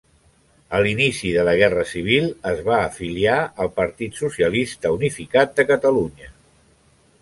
A l'inici de la guerra civil es va afiliar al Partit Socialista Unificat de Catalunya.